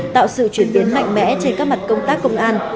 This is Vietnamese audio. tạo sự chuyển biến mạnh mẽ trên các mặt công tác công an